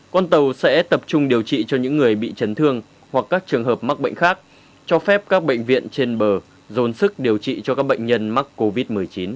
con tàu sẽ tập trung điều trị cho những người bị chấn thương hoặc các trường hợp mắc bệnh khác cho phép các bệnh viện trên bờ dồn sức điều trị cho các bệnh nhân mắc covid một mươi chín